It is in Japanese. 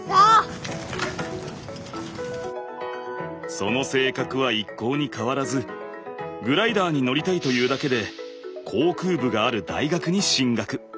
その性格は一向に変わらずグライダーに乗りたいというだけで航空部がある大学に進学。